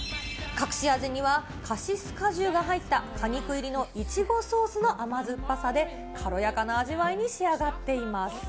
隠し味にはカシス果汁が入った、果肉入りのイチゴソースの甘酸っぱさで、軽やかな味わいに仕上がっています。